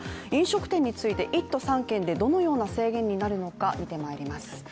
飲食店について３件でどのような制限になるのか、見てまいります